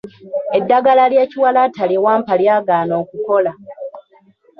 Eddagala ly’ekiwalaata lye wampa lyagaana okukola.